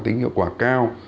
tính hiệu quả cao